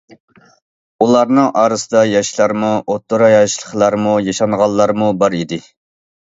ئۇلارنىڭ ئارىسىدا ياشلارمۇ، ئوتتۇرا ياشلىقلارمۇ، ياشانغانلارمۇ بار ئىدى.